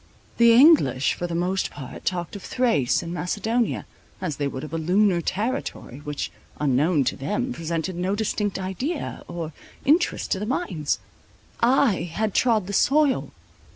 The English for the most part talked of Thrace and Macedonia, as they would of a lunar territory, which, unknown to them, presented no distinct idea or interest to the minds. I had trod the soil.